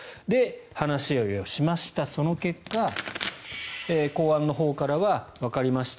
話し合いをしましたその結果、公安のほうからはわかりました